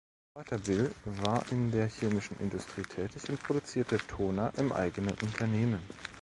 Vater Bill war in der chemischen Industrie tätig und produzierte Toner im eigenen Unternehmen.